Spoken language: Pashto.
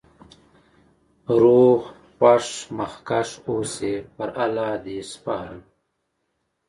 روغ خوښ مخکښ اوسی.پر الله د سپارم